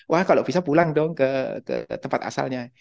wah kalau bisa pulang dong ke tempat asalnya